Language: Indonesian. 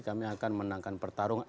kami akan menangkan pertarungan